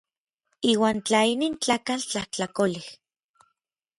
Iuan tla inin tlakatl tlajtlakolej.